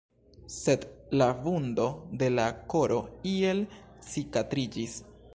Sed la vundo de la koro iel cikatriĝis.